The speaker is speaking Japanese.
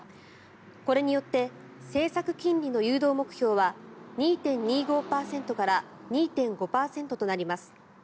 これによって政策金利の誘導目標は２．２５％から２．５％となります。